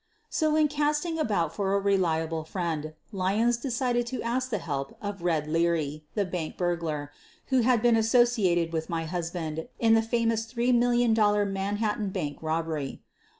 I So, in casting about for a reliable friend, Lyons ! decided to ask the help of "Red" Leary, the bank burglar, who had been associated with my husband in the famous $3,000,000 Manhattan Bank robbery.